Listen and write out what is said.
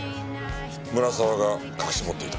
村沢が隠し持っていた。